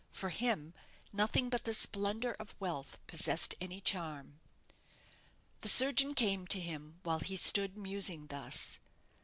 For him nothing but the splendour of wealth possessed any charm. The surgeon came to him while he stood musing thus.